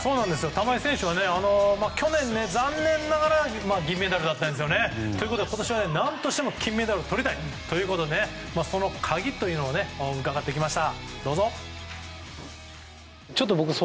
玉井選手は去年、残念ながら銀メダルだったんですよね。ということで今年は何としても金メダルをとりたいということでその鍵を伺ってきました。